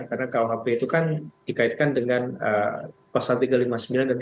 karena kuhp itu kan dikaitkan dengan pasal tiga ratus lima puluh sembilan dan tiga ratus enam puluh